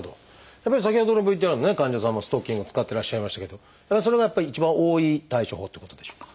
やっぱり先ほどのＶＴＲの患者さんもストッキングを使ってらっしゃいましたけどそれがやっぱり一番多い対処法っていうことでしょうか？